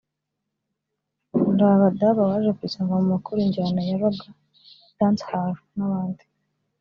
Rabadaba waje ku isonga mu bakora injyana ya Ragga/Dancehall n'abandi